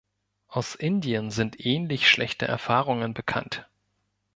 Aus Indien sind ähnlich schlechte Erfahrungen bekannt.